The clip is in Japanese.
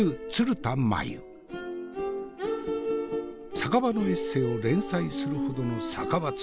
酒場のエッセイを連載するほどの酒場通。